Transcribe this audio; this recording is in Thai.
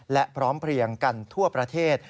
และพร้อมเพลียงกันทั่วประเทศ